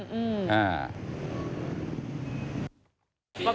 อืมอืม